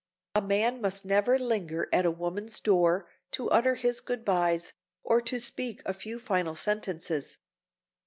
A man must never linger at a woman's door to utter his good bys, or to speak a few final sentences.